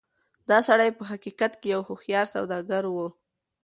دا سړی په حقيقت کې يو هوښيار سوداګر و.